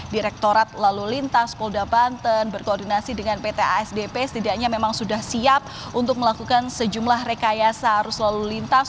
direktorat lalu lintas polda banten berkoordinasi dengan pt asdp setidaknya memang sudah siap untuk melakukan sejumlah rekayasa arus lalu lintas